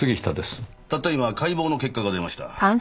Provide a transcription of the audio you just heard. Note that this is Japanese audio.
たった今解剖の結果が出ました。